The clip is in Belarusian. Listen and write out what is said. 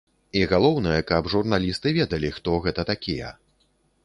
І галоўнае, каб журналісты ведалі, хто гэта такія.